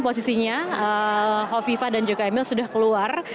posisinya hovifa dan juga emil sudah keluar